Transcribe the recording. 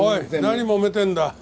何もめてんだ？